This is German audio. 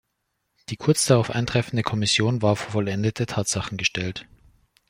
Die kurz darauf eintreffende Kommission war vor vollendete Tatsachen gestellt.